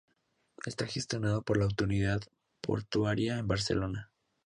Está gestionado por la autoridad portuaria de Barcelona.